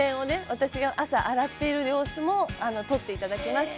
私が朝洗っている様子も撮って頂きました」